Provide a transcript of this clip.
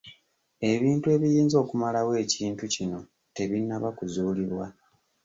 Ebintu ebiyinza okumalawo ekintu kino tebinnaba kuzuulibwa.